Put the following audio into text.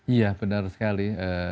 iya benar sekali